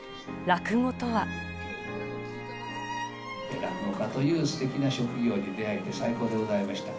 落語家というすてきな職業に出会えて、最高でございました。